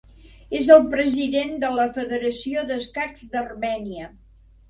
És el president de la Federació d'Escacs d'Armènia.